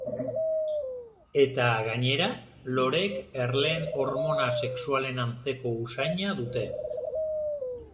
Eta, gainera, loreek erleen hormona sexualen antzeko usaina dute.